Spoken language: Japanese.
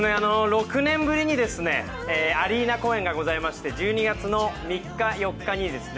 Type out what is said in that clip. ６年ぶりにアリーナ公演がございまして、１２月３日、４日に行います。